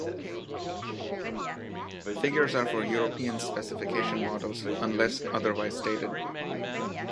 Figures are for European specification models, unless otherwise stated.